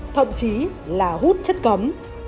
thậm chí là hút chất cấm